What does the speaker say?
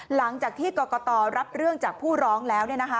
หลังจากที่กรกตรับเรื่องจากผู้ร้องแล้ว